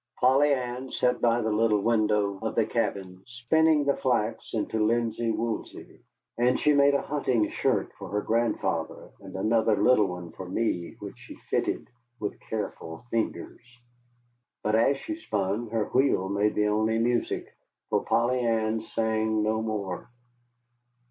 Polly Ann sat by the little window of the cabin, spinning the flax into linsey woolsey. And she made a hunting shirt for her grandfather, and another little one for me which she fitted with careful fingers. But as she spun, her wheel made the only music for Polly Ann sang no more.